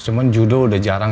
cuma judo udah jarang